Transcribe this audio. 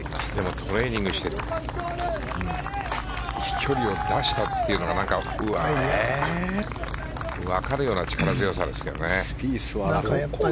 トレーニングして飛距離を出したというのが分かるような力強さですけどね。